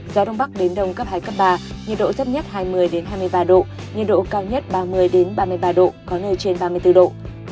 gió đông bắc đến đông cấp hai cấp ba nhiệt độ thấp nhất hai mươi hai mươi ba độ nhiệt độ cao nhất ba mươi ba mươi ba độ có nơi trên ba mươi bốn độ